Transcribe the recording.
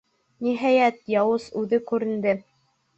Ниһайәт, яуыз үҙе күренде.